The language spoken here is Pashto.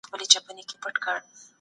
په څو لسيزو مخکې خلک روشنفکره وو.